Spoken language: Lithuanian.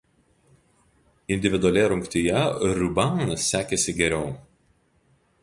Individualioje rungtyje Ruban sekėsi geriau.